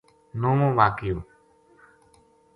نوووں واقعو: